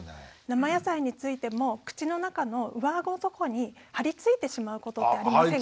生野菜についても口の中の上顎のとこに張り付いてしまうことってありませんか？